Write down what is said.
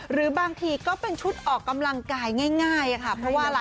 หรือบางทีก็เป็นชุดออกกำลังกายง่ายค่ะเพราะว่าอะไร